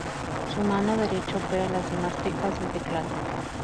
Su mano derecha opera las demás teclas del teclado.